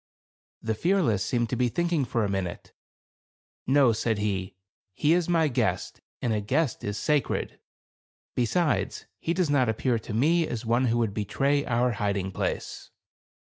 The Fearless seemed to be thinking fora minute. "No," said he, "he is my guest, and a guest is sacred; be sides, he does not appear to me as one who would betray our hiding place."